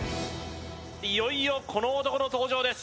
いよいよこの男の登場です